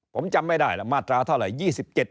ผมจำไม่ได้ล่ะมาตราเท่าไหร่๒๗